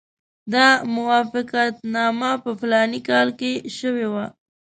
دا موافقتنامه په فلاني کال کې شوې وه.